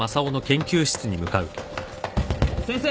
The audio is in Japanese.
先生！